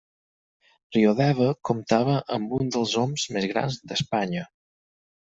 Riodeva comptava amb un dels oms més grans d'Espanya.